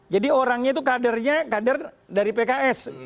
jadi orangnya itu kader dari pks